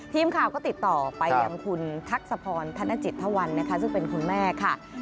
ทีมข่าวก็ติดต่อไปยังคุณทักษะพรธนจิตทวันนะคะซึ่งเป็นคุณแม่ค่ะ